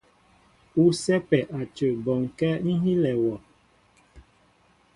U sɛ́pɛ́ a cə bɔnkɛ́ ŋ́ hílɛ wɔ.